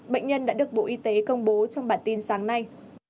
bệnh nhân đã được bộ y tế công bố trong bản tin sáng nay